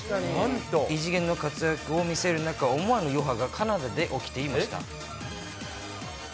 異次元の活躍を見せる中、思わぬ余波がカナダで起きていました。